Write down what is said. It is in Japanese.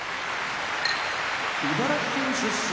茨城県出身